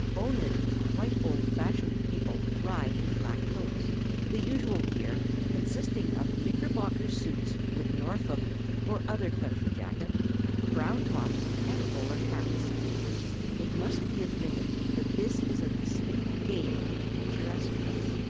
] Only quite old fashioned people ride in black coats, the usual gear consisting of knickerbocker suits with Norfolk, or other country jacket, brown tops and bowler hats. It must be admitted that this is a distinct gain in picturesqueness.